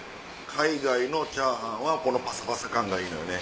海外のチャーハンはこのパサパサ感がいいのよね。